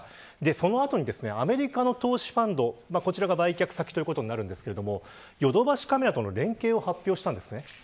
その後にアメリカの投資ファンドが売却先ということになりますがヨドバシカメラとの連携を発表しました。